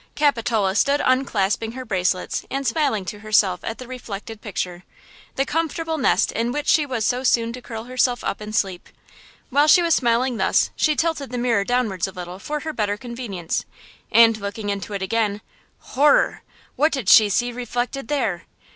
Capitola stood unclasping her bracelets and smiling to herself at the reflected picture–the comfortable nest in which she was so soon to curl herself up in sleep. While she was smiling thus she tilted the mirror downwards a little for her better convenience, and, looking into it again– Horror! What did she see reflected there?